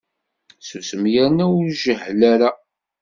Susem yerna ur jehhel ara!